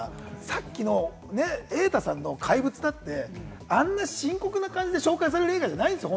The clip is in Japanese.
さっきの瑛太さんの『怪物』だって、あんな深刻な感じで紹介される映画じゃないんですよ。